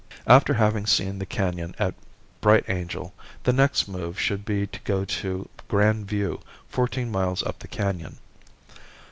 After having seen the canon at Bright Angel the next move should be to go to Grand View fourteen miles up the canon.